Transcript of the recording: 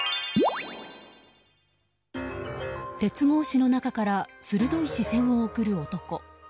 鉄格子の中から鋭い視線を送る男。